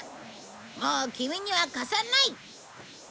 もうキミには貸さない！